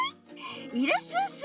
いらっしゃいませ。